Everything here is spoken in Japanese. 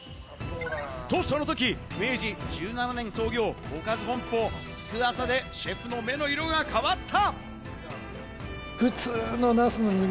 とその時、明治１７年創業「おかず本舗佃浅」でシェフの目の色が変わった！